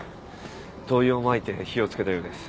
灯油をまいて火を付けたようです。